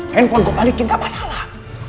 handphone gue balikin gak masalah